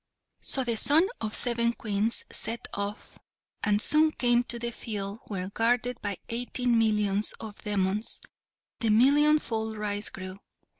So the son of seven Queens set off, and soon came to the field where, guarded by eighteen millions of demons, the million fold rice grew.